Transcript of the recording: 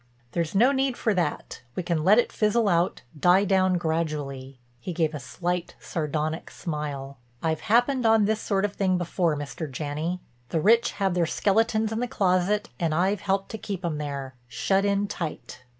"There's no need for that. We can let it fizzle out, die down gradually." He gave a slight, sardonic smile. "I've happened on this sort of thing before, Mr. Janney. The rich have their skeletons in the closet, and I've helped to keep 'em there, shut in tight."